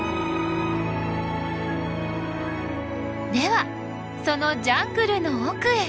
ではそのジャングルの奥へ。